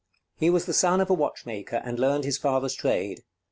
He was the son of a watchmaker, and learned his father's trade.